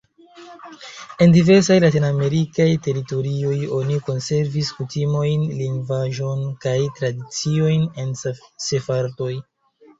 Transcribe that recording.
En diversaj latinamerikaj teritorioj oni konservis kutimojn, lingvaĵon kaj tradiciojn el sefardoj.